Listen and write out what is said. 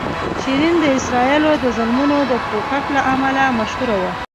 شیرین د اسرائیلو د ظلمونو د پوښښ له امله مشهوره وه.